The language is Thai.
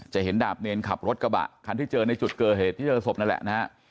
เห็นดาบเนรขับรถกระบะคันที่เจอในจุดเกิดเหตุที่เจอศพนั่นแหละนะฮะ